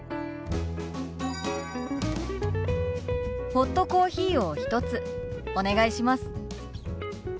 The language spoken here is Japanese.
ホットコーヒーを１つお願いします。